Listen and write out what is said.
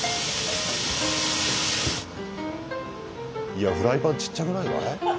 いやフライパンちっちゃくないかい？